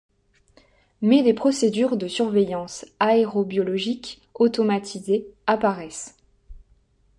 Mais des procédures de surveillance aérobiologique automatisées apparaissent.